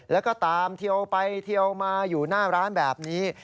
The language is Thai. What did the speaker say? แล้วก็ตามเทียวไปเทียวมาอยู่หน้าร้านแบบนี้